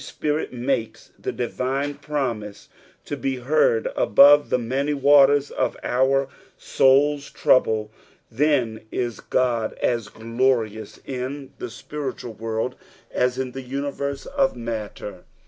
Spirit makes the divine pramige to be heard above tbe many waters of onr aoul's trouble, then is Ood as glorious in the spiritual world as in the muvetse of matter.